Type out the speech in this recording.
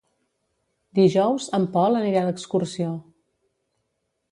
Dijous en Pol anirà d'excursió.